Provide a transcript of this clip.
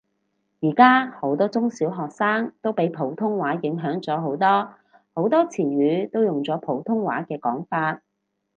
而家好多中小學生都俾普通話影響咗好多，好多詞語都用咗普通話嘅講法